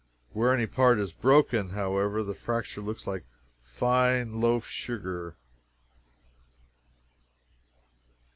Where any part is broken, however, the fracture looks like fine loaf sugar.